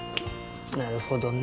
なるほどね。